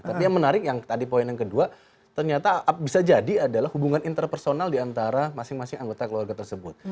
tapi yang menarik yang tadi poin yang kedua ternyata bisa jadi adalah hubungan interpersonal diantara masing masing anggota keluarga tersebut